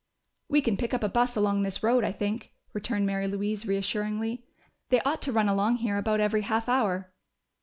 "We can pick up a bus along this road, I think," returned Mary Louise reassuringly. "They ought to run along here about every half hour."